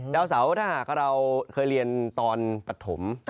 ดาวเสาถ้าหากเราเคยเรียนตอนปฐม